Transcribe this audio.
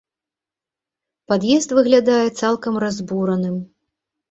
Пад'езд выглядае цалкам разбураным.